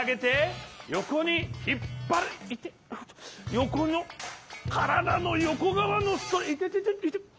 よこのからだのよこがわのストイテテテイテッ。